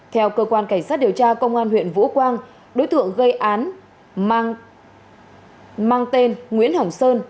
theo cơ quan cảnh sát điều tra công an huyện vũ quang đối tượng gây án mang tên nguyễn hồng sơn